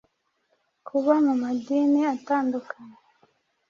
Kuba mu madini atandukanye